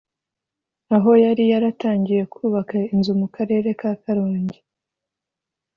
aho yari yaratangiye kubaka inzu mu Karere ka Karongi